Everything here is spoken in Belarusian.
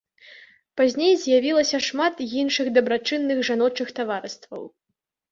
Пазней з'явілася шмат іншых дабрачынных жаночых таварыстваў.